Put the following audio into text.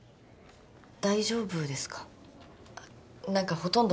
大丈夫ですか？